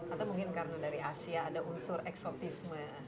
atau mungkin karena dari asia ada unsur eksotisme